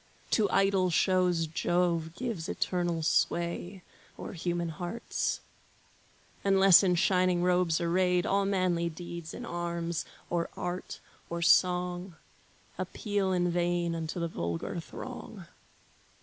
To idle shows Jove gives eternal sway O'er human hearts. Unless in shining robes arrayed, All manly deeds in arms, or art, or song, Appeal in vain unto the vulgar throng.